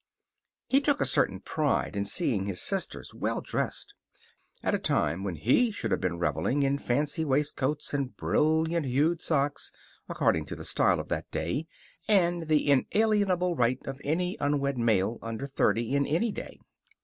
He took a certain pride in seeing his sisters well dressed, at a time when he should have been reveling in fancy waistcoats and brilliant hued socks, according to the style of that day and the inalienable right of any unwed male under thirty, in any day.